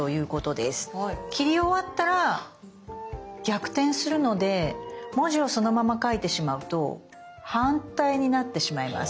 切り終わったら逆転するので文字をそのまま描いてしまうと反対になってしまいます。